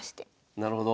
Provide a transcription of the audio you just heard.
なるほど。